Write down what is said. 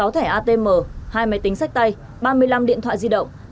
một mươi sáu thẻ atm hai máy tính sách tay ba mươi năm điện thoại di động